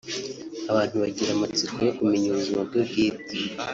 abantu bagira amatsiko yo kumenya ubuzima bwe bwite